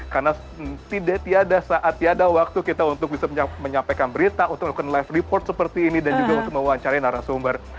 karena tidak ada saat tidak ada waktu kita untuk bisa menyampaikan berita untuk melakukan live report seperti ini dan juga untuk mewawancari narasumber